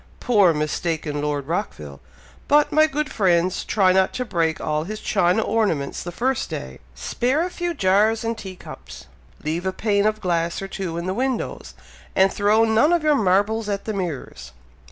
Poor, mistaken Lord Rockville! But, my good friends, try not to break all his china ornaments the first day spare a few jars and tea cups leave a pane of glass or two in the windows, and throw none of your marbles at the mirrors."